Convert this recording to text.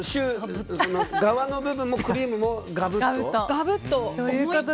皮の部分もクリームもガブッと？